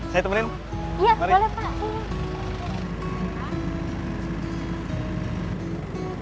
saya temenin iya boleh pak